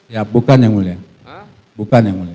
ya bukan yang mulia bukan yang mulia